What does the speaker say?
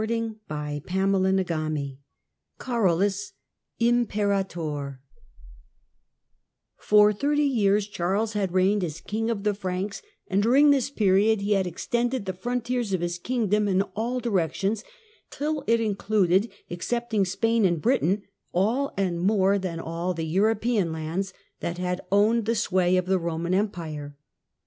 I CHAPTEE XVIII CAROLUS IMPERATOR T^OK thirty years Charles had reigned as king of the Franks, and during this period he had extended the frontiers of his kingdom in all directions till it in cluded, excepting Spain and Britain, all, and more than all, the European lands that had owned the sway of the Roman Empire.